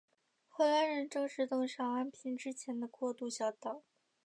荷兰人正式登上安平之前的过渡小岛。